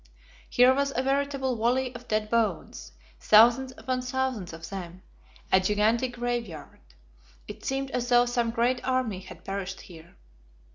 Here was a veritable Valley of Dead Bones, thousands upon thousands of them; a gigantic graveyard. It seemed as though some great army had perished here.